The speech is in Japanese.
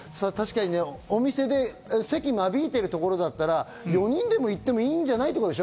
お店で席を間引いているところだったら、４人で行ってもいいんじゃないかなって事でしょ？